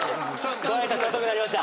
ご挨拶遅くなりました。